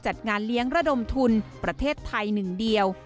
จัดงานเลี้ยงระดมทุนประเทศไทยหนึ่งเดียว